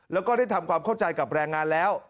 แล้วก็ได้ทำความเข้าใจกับแรงงานแล้ว